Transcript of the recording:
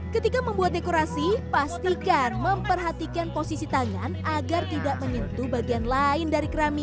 ketika membuat dekorasi pastikan memperhatikan posisi tangan agar tidak menyentuh bagian lain dari keramik